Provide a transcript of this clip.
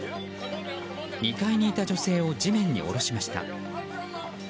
２階にいた女性を地面に下ろしました。